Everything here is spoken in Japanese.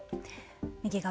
右側。